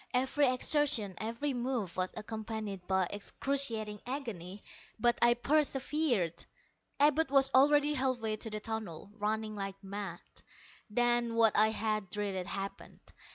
Every exertion, every move, was accompanied by excruciating agony, but I persevered. Abud was already halfway to the tunnel, running like mad. Then, what I had dreaded, happened.